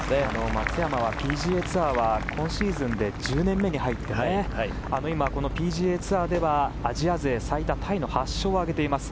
松山はＰＧＡツアーは今シーズンで１０年目に入ってＰＧＡツアーではアジア勢最多タイの８勝を挙げています。